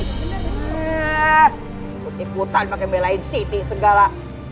ikutan ikutan pake melayin siti segala